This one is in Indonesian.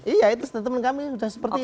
iya itu statement kami sudah seperti itu